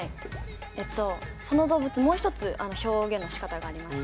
えっとその動物もう一つ表現のしかたがあります。